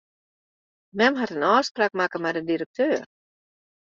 Mem hat in ôfspraak makke mei de direkteur.